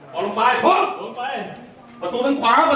ตำรวจแห่งมือ